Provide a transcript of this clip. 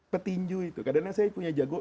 petinju itu kadang saya punya jago